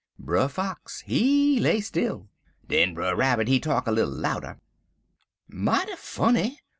"Brer Fox he stay still. Den Brer Rabbit he talk little louder: "'Mighty funny.